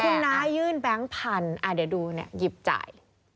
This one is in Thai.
คุณน้ายื่นแบงค์พันธุ์เดี๋ยวดูเนี่ยหยิบจ่าย